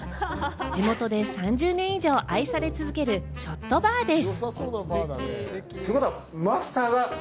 地元で３０年以上愛され続けるショットバーです。